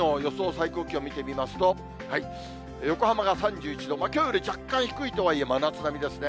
最高気温見てみますと、横浜が３１度、きょうより若干低いとはいえ真夏並みですね。